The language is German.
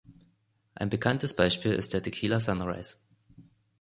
Ein bekanntes Beispiel ist der Tequila Sunrise.